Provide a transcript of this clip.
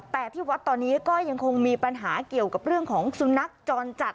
แต่ที่วัดตอนนี้ก็ยังคงมีปัญหาเกี่ยวกับเรื่องของสุนัขจรจัด